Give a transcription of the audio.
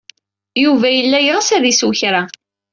Yuba yella yeɣs ad isew kra.